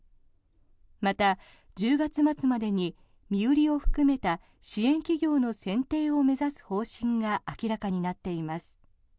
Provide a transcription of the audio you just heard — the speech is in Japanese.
また、１０月末までに身売りを含めた支援企業の選定を目指す方針が明らかになっています。